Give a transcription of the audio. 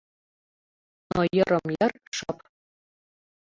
Но йырым-йыр шып.